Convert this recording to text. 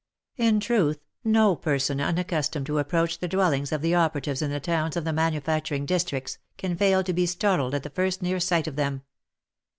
In truth no person unaccustomed to approach the dwellings of the operatives in the towns of the manufacturing districts, can failjto be startled at the first near sight of them.